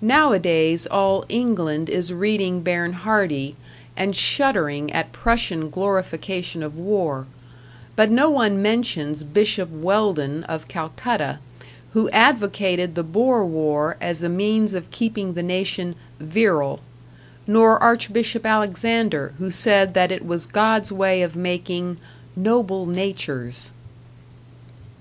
Nowadays all England is reading Bernhardi, and shuddering at Prussian glorification of war; but no one mentions Bishop Welldon of Calcutta, who advocated the Boer war as a means of keeping the nation "virile"; nor Archbishop Alexander, who said that it was God's way of making "noble natures".